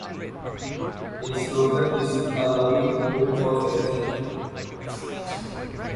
Its slogan is "A loving home for every child".